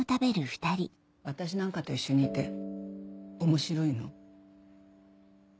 私なんかと一緒にいて面白いの？